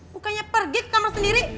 bukannya pergi kamar sendiri